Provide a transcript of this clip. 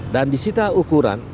dan disita ukuran